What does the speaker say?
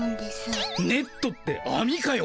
ネットってあみかよ！